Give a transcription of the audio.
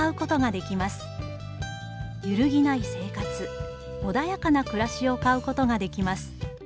揺るぎない生活、穏やかな暮しを買うことができます。